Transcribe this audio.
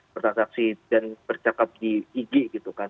bertransaksi dan bercakap di ig gitu kan